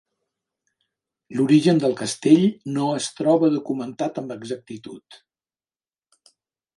L'origen del castell no es troba documentat amb exactitud.